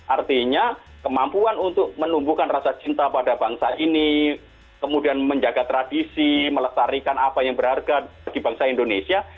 artinya kemampuan untuk menumbuhkan rasa cinta pada bangsa ini kemudian menjaga tradisi melestarikan apa yang berharga bagi bangsa indonesia